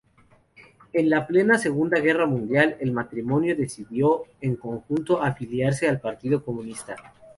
En plena Segunda Guerra Mundial, el matrimonio decidió en conjunto afiliarse al Partido Comunista.